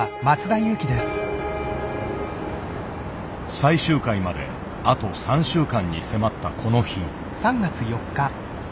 最終回まであと３週間に迫ったこの日。